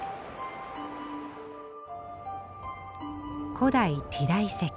古代ティラ遺跡。